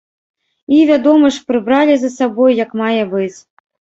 І, вядома ж, прыбралі за сабой як мае быць.